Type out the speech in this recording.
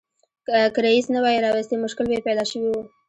که رییس نه وای راوستي مشکل به یې پیدا شوی و.